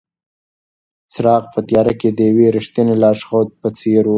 څراغ په تیاره کې د یوې رښتینې لارښود په څېر و.